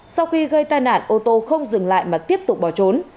sau khi gây tai nạn ô tô không dừng lại mà tiếp tục bỏ trốn